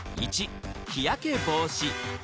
１日焼け防止